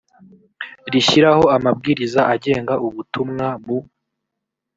rishyiraho amabwiriza agenga ubutumwa mu